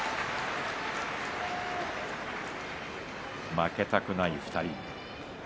負けたくない２人。